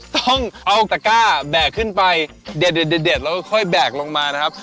ต้องเอาตะก้าแบกขึ้นไปเด็ดแล้วค่อยแบกลงมานะครับ